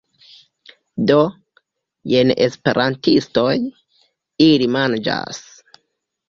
Do, jen esperantistoj... ili manĝas...